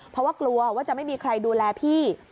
เพราะว่ากลัวว่าจะไม่มีใครดูแลพี่